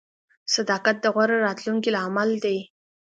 • صداقت د غوره راتلونکي لامل دی.